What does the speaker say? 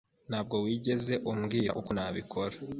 Ntabwo wigeze umbwira uko nabikora.